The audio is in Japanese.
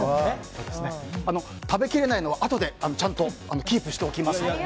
食べきれないのは、あとでちゃんとキープしておきますので。